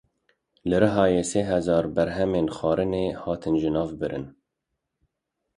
Li Rihayê sê hezar berhemên xwarinê hatin jinavbirin.